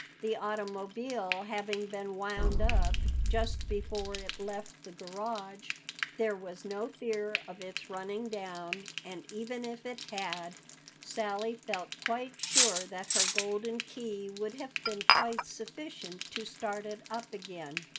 The automobile having been wound up just before it left the garage, there was no fear of its running down, and even if it had, Sally felt quite sure that her golden key would have been quite sufficient to start it up again.